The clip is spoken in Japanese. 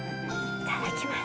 いただきます。